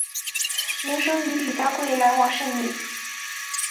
明升与李成桂来往甚密。